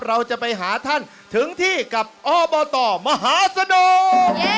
เราจะไปหาท่านถึงที่กับอ้อเบาะต่อมหาสะดวก